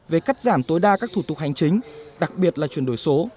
về cắt giảm tối đa các thủ tục hành chính đặc biệt là chuyển đổi số